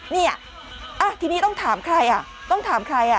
เนี่ยทีนี้ต้องถามใครอ่ะต้องถามใครอ่ะ